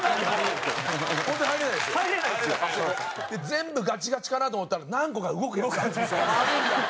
全部ガチガチかなと思ったら何個か動くやつあるんですよ。